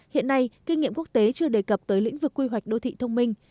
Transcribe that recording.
hiện nay kinh nghiệm quốc tế chưa đề cập tới lĩnh vực quy hoạch đô thị thông minh